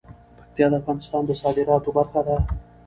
پکتیا د افغانستان د صادراتو برخه ده.